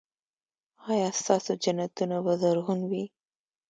ایا ستاسو جنتونه به زرغون وي؟